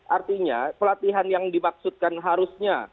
artinya pelatihan yang dimaksudkan harusnya